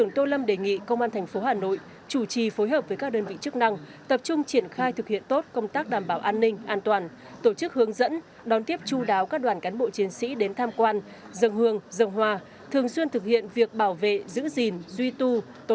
trong năm tháng thi công các hạng mục công trình đều đã đảm bảo hoàn thiện với chất lượng cao cả về nội dung hình thức mỹ thuật mỹ thuật